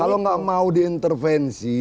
kalau tidak mau diintervensi